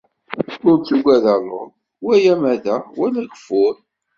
Ur tugad aluḍ, wala amadaɣ, wala ageffur.